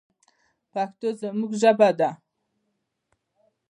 پښتو زموږ ژبه ده